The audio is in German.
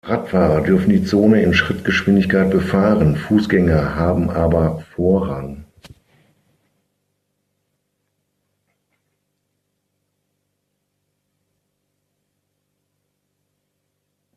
Radfahrer dürfen die Zone in Schrittgeschwindigkeit befahren, Fußgänger haben aber Vorrang.